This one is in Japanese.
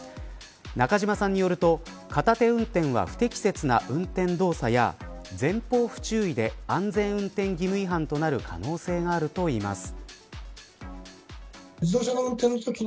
中島さんによると片手運転は不適切な運転動作や前方不注意で安全運転義務違反となる可能性があるといいます。